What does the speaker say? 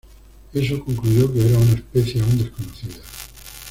Eso concluyó que era una especie aún desconocida.